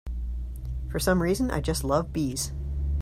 For some reason I just love bees.